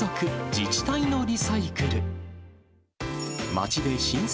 自治体のリサイクル。